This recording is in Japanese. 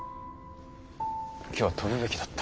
今日は飛ぶべきだった。